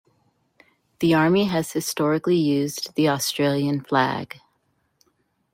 The Army has historically used the Australian Flag.